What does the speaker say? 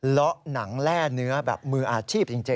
ละหนังแร่เนื้อแบบมืออาชีพจริง